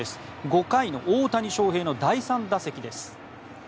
５回の大谷翔平の第３打席です。